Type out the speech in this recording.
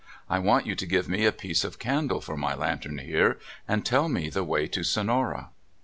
I want you to give me a piece of candle for my lantern here, and tell me the way to Sonora."